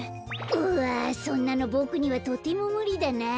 うわそんなのボクにはとてもむりだな。